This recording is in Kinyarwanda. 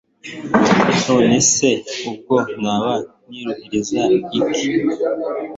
none se ubwo naba niruhiriza iki